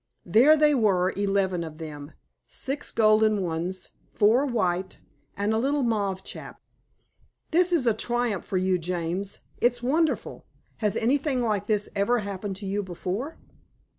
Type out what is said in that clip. There they were eleven of them. Six golden ones, four white, and a little mauve chap. "This is a triumph for you, James. It's wonderful. Has anything like this ever happened to you before?"